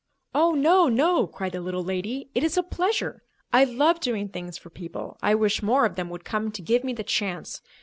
"Oh, no, no," cried the little lady. "It is a pleasure. I love doing things for people, I wish more of them would come to give me the chance.